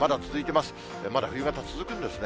まだ冬型続くんですね。